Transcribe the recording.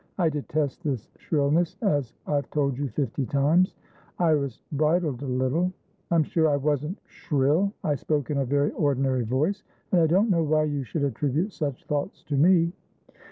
"I detest this shrillness, as I've told you fifty times." Iris bridled a little. "I'm sure I wasn't shrill. I spoke in a very ordinary voice. And I don't know why you should attribute such thoughts to me."